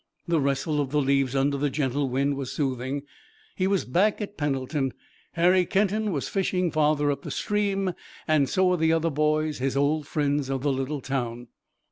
The rustle of the leaves under the gentle wind was soothing. He was back at Pendleton. Harry Kenton was fishing farther up the stream, and so were other boys, his old friends of the little town.